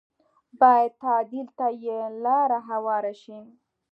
بايد تعديل ته یې لاره هواره شي